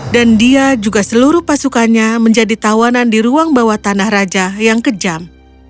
dan dia juga seluruh pasukannya menjadi tawanan di ruang bawah tanah raja yang kejam